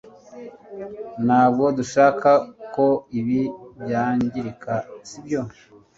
ntabwo dushaka ko ibi byangirika, sibyo